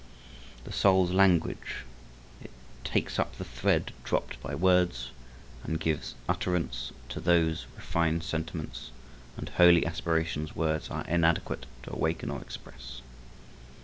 The soul's language, it takes up the thread dropped by words and gives utterance to those refined sentiments and holy aspirations words are inadequate to awaken or express.